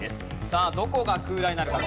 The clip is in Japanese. さあどこが空欄になるか？